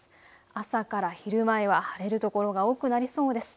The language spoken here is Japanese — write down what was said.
朝から昼前は晴れる所が多くなりそうです。